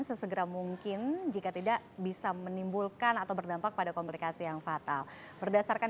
sesegera mungkin jika tidak bisa menimbulkan atau berdampak pada komplikasi yang fatal berdasarkan